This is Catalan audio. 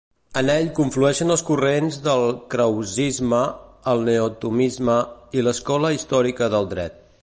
En ell conflueixen els corrents del krausisme, el neotomisme i l'escola històrica del dret.